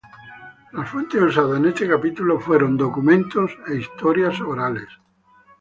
Las fuentes usadas en este capítulo fueron documentos e historias orales.